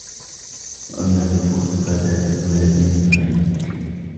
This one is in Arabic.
وَأَمَّا اللَّفُوتُ فَذَاتُ الْوَلَدِ مِنْ غَيْرِك